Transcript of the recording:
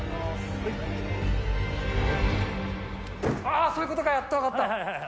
ああ、そういうことか、やっと分かった。